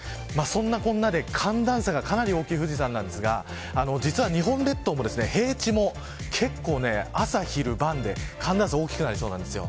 そんなこんなで、寒暖差がかなり大きい富士山ですが実は日本列島も平地も結構、朝、昼、晩で寒暖差が大きくなりそうです。